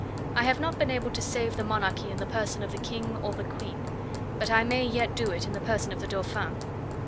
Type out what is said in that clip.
"I have not been able to save the monarchy in the person of the King or the Queen, but I may yet do it in the person of the Dauphin."